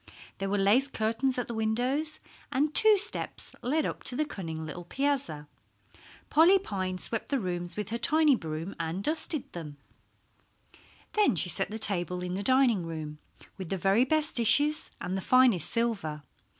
There were lace curtains at the windows, and two steps led up to the cunning little piazza. Polly Pine swept the rooms with her tiny broom and dusted them. Then she set the table in the dining room with the very best dishes and the finest silver.